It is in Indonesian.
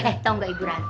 eh tau gak ibu ratu